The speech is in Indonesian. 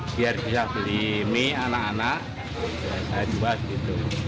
biar bisa beli mi anak anak saya juga gitu